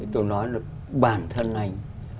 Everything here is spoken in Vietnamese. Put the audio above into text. tôi nói là bản thân anh